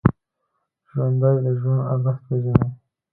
ژوندي د ژوند ارزښت پېژني